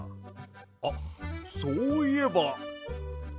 あっそういえば！